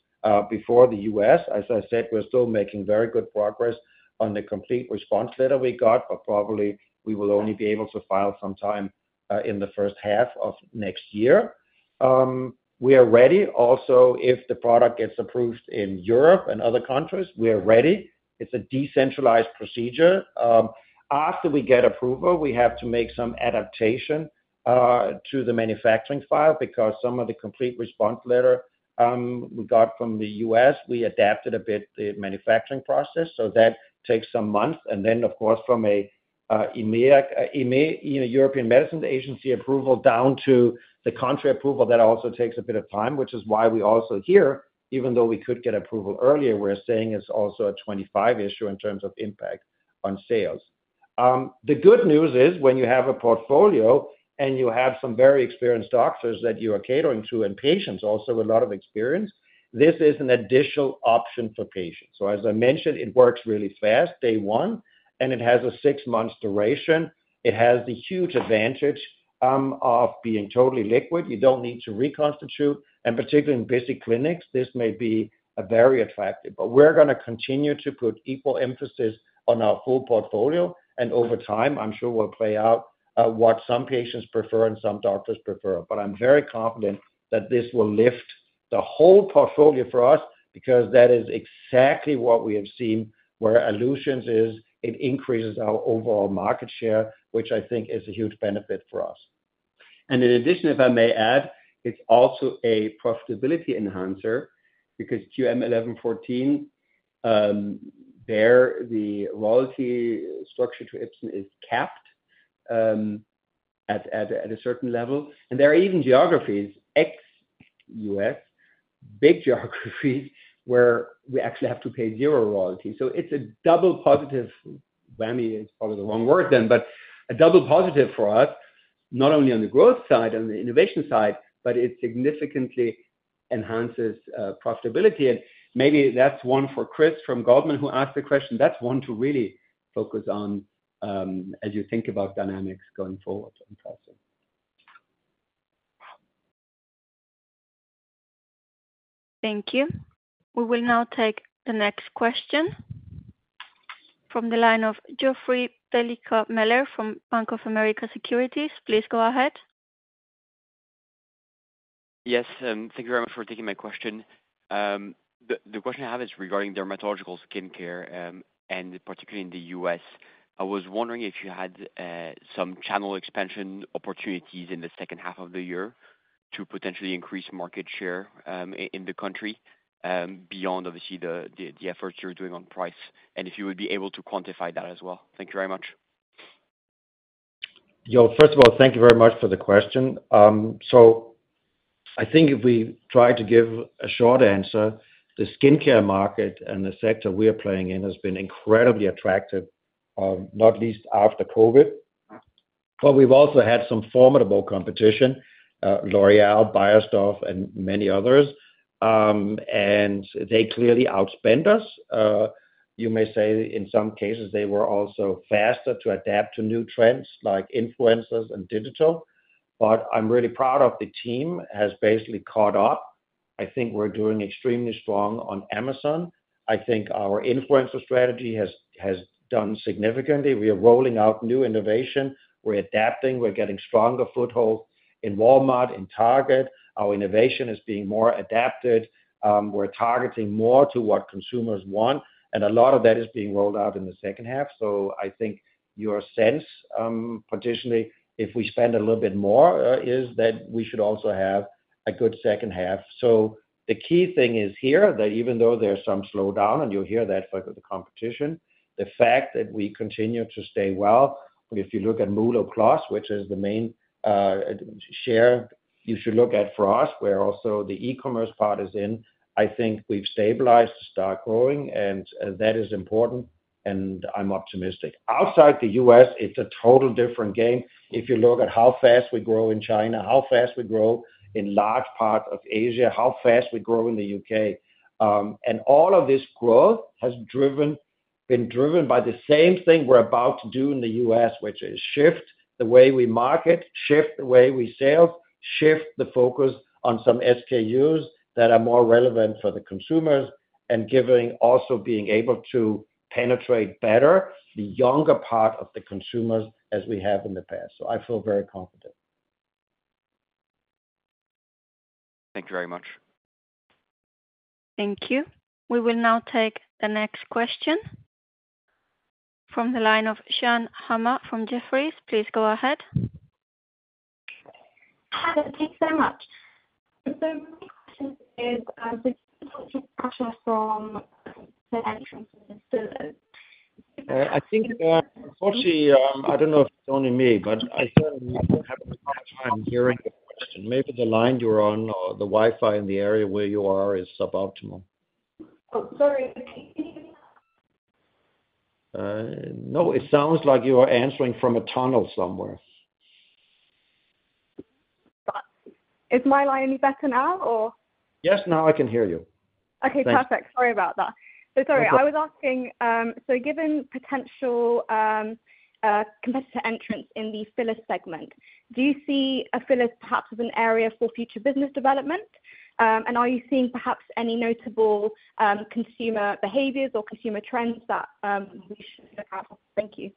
before the U.S. As I said, we're still making very good progress on the complete response letter we got, but probably we will only be able to file sometime in the first half of next year. We are ready also if the product gets approved in Europe and other countries. We are ready. It's a decentralized procedure. After we get approval, we have to make some adaptation to the manufacturing file because some of the complete response letter we got from the U.S., we adapted a bit the manufacturing process. So that takes some months. And then, of course, from a European Medicines Agency approval down to the country approval, that also takes a bit of time, which is why we also here, even though we could get approval earlier, we're saying it's also a 2025 issue in terms of impact on sales. The good news is when you have a portfolio and you have some very experienced doctors that you are catering to and patients also with a lot of experience, this is an additional option for patients. So as I mentioned, it works really fast, day one, and it has a 6-month duration. It has the huge advantage of being totally liquid. You don't need to reconstitute. And particularly in busy clinics, this may be very attractive. But we're going to continue to put equal emphasis on our full portfolio. And over time, I'm sure we'll play out what some patients prefer and some doctors prefer. But I'm very confident that this will lift the whole portfolio for us because that is exactly what we have seen where Alluzience is. It increases our overall market share, which I think is a huge benefit for us. And in addition, if I may add, it's also a profitability enhancer because QM1114, there, the royalty structure to Ipsen is capped at a certain level. And there are even geographies, ex-U.S., big geographies where we actually have to pay zero royalty. So it's a double positive. Wammy is probably the wrong word then, but a double positive for us, not only on the growth side and the innovation side, but it significantly enhances profitability. Maybe that's one for Chris from Goldman who asked the question. That's one to really focus on as you think about dynamics going forward in pricing. Thank you. We will now take the next question from the line of Geoffroy de Mendez from Bank of America Securities. Please go ahead. Yes. Thank you very much for taking my question. The question I have is regarding dermatological skincare and particularly in the U.S.. I was wondering if you had some channel expansion opportunities in the second half of the year to potentially increase market share in the country beyond, obviously, the efforts you're doing on price and if you would be able to quantify that as well. Thank you very much. Yeah. First of all, thank you very much for the question. So I think if we try to give a short answer, the skincare market and the sector we are playing in has been incredibly attractive, not least after COVID. But we've also had some formidable competition, L'Oréal, Beiersdorf, and many others. And they clearly outspend us. You may say in some cases they were also faster to adapt to new trends like influencers and digital. But I'm really proud of the team has basically caught up. I think we're doing extremely strong on Amazon. I think our influencer strategy has done significantly. We are rolling out new innovation. We're adapting. We're getting stronger foothold in Walmart, in Target. Our innovation is being more adapted. We're targeting more to what consumers want. And a lot of that is being rolled out in the second half. So, I think your sense potentially, if we spend a little bit more, is that we should also have a good second half. The key thing is here that even though there's some slowdown, and you'll hear that for the competition, the fact that we continue to stay well. If you look at MULO+, which is the main share you should look at for us, where also the e-commerce part is in, I think we've stabilized to start growing. That is important. I'm optimistic. Outside the U.S., it's a total different game. If you look at how fast we grow in China, how fast we grow in large parts of Asia, how fast we grow in the U.K. All of this growth has been driven by the same thing we're about to do in the U.S., which is shift the way we market, shift the way we sales, shift the focus on some SKUs that are more relevant for the consumers and also being able to penetrate better the younger part of the consumers as we have in the past. I feel very confident. Thank you very much. Thank you. We will now take the next question from the line of Sean Hammer from Jefferies. Please go ahead. Hello. Thanks so much. My question is, I think. Unfortunately, I don't know if it's only me, but I certainly don't have a lot of time hearing your question. Maybe the line you're on or the Wi-Fi in the area where you are is suboptimal. Oh, sorry. No, it sounds like you are answering from a tunnel somewhere. Is my line any better now, or? Yes, now I can hear you. Okay. Perfect. Sorry about that. So sorry, I was asking, so given potential competitor entrance in the filler segment, do you see a filler perhaps as an area for future business development? And are you seeing perhaps any notable consumer behaviors or consumer trends that we should look at? Thank you.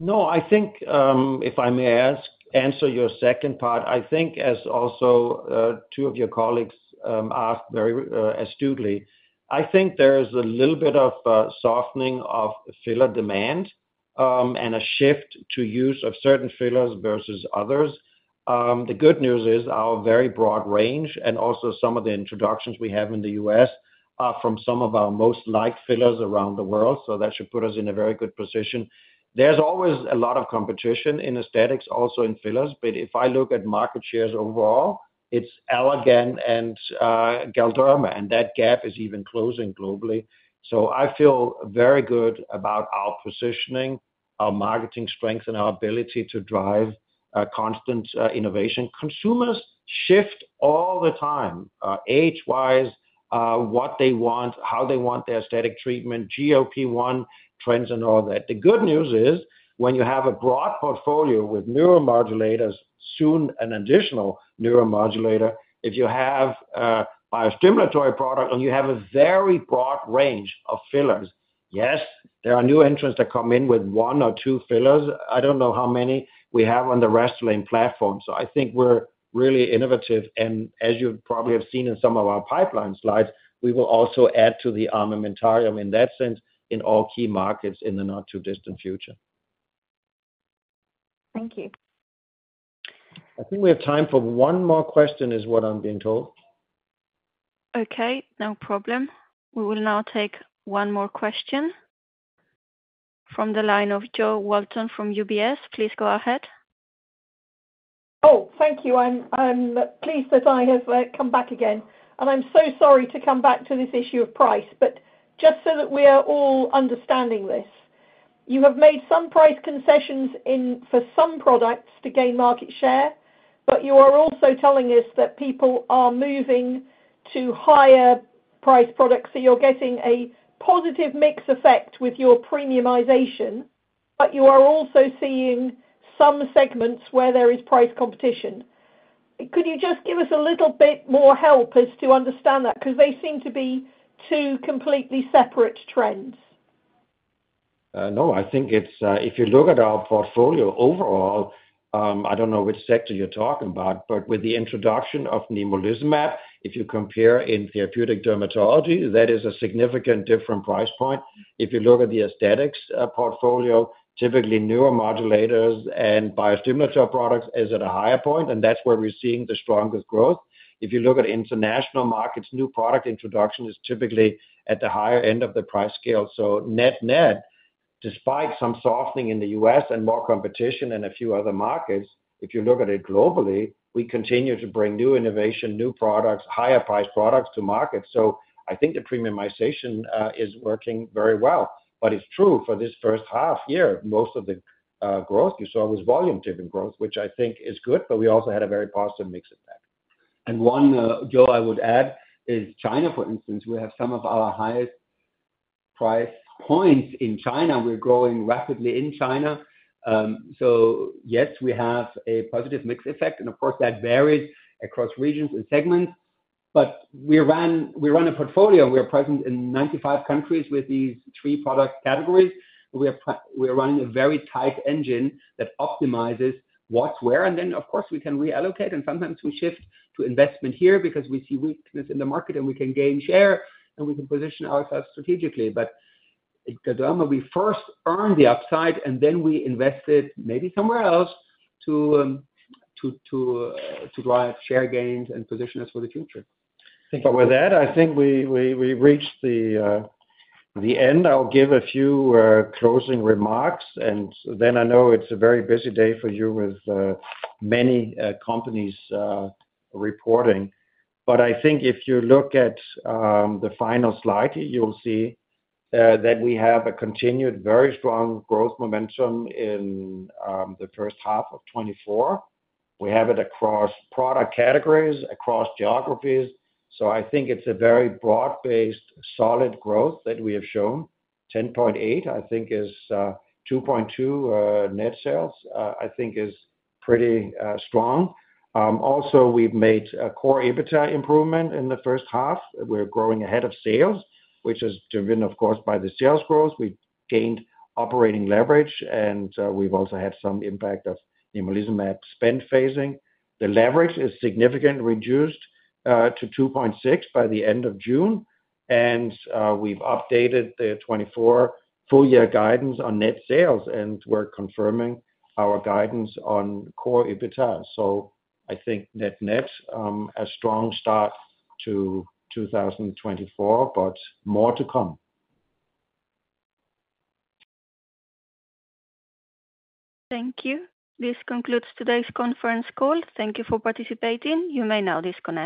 No, I think if I may answer your second part, I think as also two of your colleagues asked very astutely, I think there is a little bit of softening of filler demand and a shift to use of certain fillers versus others. The good news is our very broad range and also some of the introductions we have in the U.S. are from some of our most liked fillers around the world. So that should put us in a very good position. There's always a lot of competition in aesthetics, also in fillers. But if I look at market shares overall, it's Allergan and Galderma, and that gap is even closing globally. So I feel very good about our positioning, our marketing strength, and our ability to drive constant innovation. Consumers shift all the time, age-wise, what they want, how they want their aesthetic treatment, GLP-1 trends, and all that. The good news is when you have a broad portfolio with neuromodulators, soon an additional neuromodulator, if you have a biostimulatory product and you have a very broad range of fillers, yes, there are new entrants that come in with one or two fillers. I don't know how many we have on the Restylane platform. So I think we're really innovative. And as you probably have seen in some of our pipeline slides, we will also add to the armamentarium in that sense in all key markets in the not too distant future. Thank you. I think we have time for one more question, is what I'm being told. Okay. No problem. We will now take one more question from the line of Jo Walton from UBS. Please go ahead. Oh, thank you. I'm pleased that I have come back again. And I'm so sorry to come back to this issue of price. But just so that we are all understanding this, you have made some price concessions for some products to gain market share, but you are also telling us that people are moving to higher price products. So you're getting a positive mix effect with your premiumization, but you are also seeing some segments where there is price competition. Could you just give us a little bit more help as to understand that? Because they seem to be two completely separate trends. No, I think if you look at our portfolio overall, I don't know which sector you're talking about, but with the introduction of Nemolizumab, if you compare in therapeutic dermatology, that is a significant different price point. If you look at the aesthetics portfolio, typically neuromodulators and biostimulator products is at a higher point, and that's where we're seeing the strongest growth. If you look at international markets, new product introduction is typically at the higher end of the price scale. So net-net, despite some softening in the U.S. and more competition in a few other markets, if you look at it globally, we continue to bring new innovation, new products, higher price products to market. So I think the premiumization is working very well. But it's true for this first half year, most of the growth you saw was volume-driven growth, which I think is good, but we also had a very positive mix effect. And one, Joe, I would add, is China, for instance. We have some of our highest price points in China. We're growing rapidly in China. So yes, we have a positive mix effect. And of course, that varies across regions and segments. But we run a portfolio. We are present in 95 countries with these three product categories. We are running a very tight engine that optimizes what's where. And then, of course, we can reallocate. And sometimes we shift to investment here because we see weakness in the market and we can gain share and we can position ourselves strategically. But at Galderma, we first earned the upside and then we invested maybe somewhere else to drive share gains and position us for the future. But with that, I think we reached the end. I'll give a few closing remarks. Then I know it's a very busy day for you with many companies reporting. But I think if you look at the final slide, you'll see that we have a continued very strong growth momentum in the first half of 2024. We have it across product categories, across geographies. So I think it's a very broad-based, solid growth that we have shown. 10.8, I think, is 2.2 net sales, I think, is pretty strong. Also, we've made a core EBITDA improvement in the first half. We're growing ahead of sales, which has driven, of course, by the sales growth. We gained operating leverage, and we've also had some impact of Nemolizumab spend phasing. The leverage is significantly reduced to 2.6 by the end of June. We've updated the 2024 full-year guidance on net sales and we're confirming our guidance on core EBITDA. I think net-net a strong start to 2024, but more to come. Thank you. This concludes today's conference call. Thank you for participating. You may now disconnect.